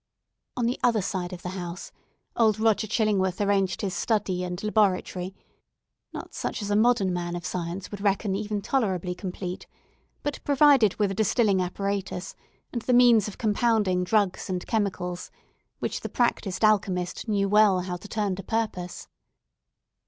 On the other side of the house, old Roger Chillingworth arranged his study and laboratory: not such as a modern man of science would reckon even tolerably complete, but provided with a distilling apparatus and the means of compounding drugs and chemicals, which the practised alchemist knew well how to turn to purpose.